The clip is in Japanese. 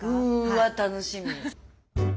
うわ楽しみ。